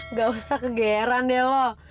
nggak usah kegeeran deh loh